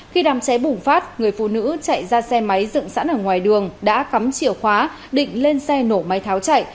khi đám cháy bùng phát người phụ nữ chạy ra xe máy dựng sẵn ở ngoài đường đã cắm chìa khóa định lên xe nổ máy tháo chạy